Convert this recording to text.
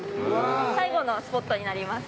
最後のスポットになります。